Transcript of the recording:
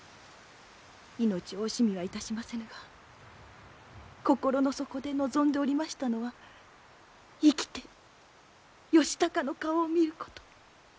命を惜しみはいたしませぬが心の底で望んでおりましたのは生きて義高の顔を見ること。